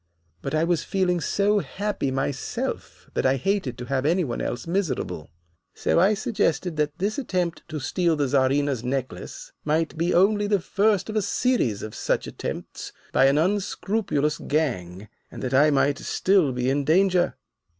But I was feeling so happy myself that I hated to have any one else miserable, so I suggested that this attempt to steal the Czarina's necklace might be only the first of a series of such attempts by an unscrupulous gang, and that I might still be in danger.